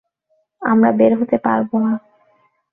আমরা বের হতে পারবো না।